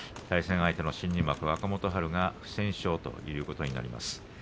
対戦相手の新入幕若元春不戦勝ということになります。